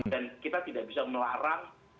kita tidak bisa melarang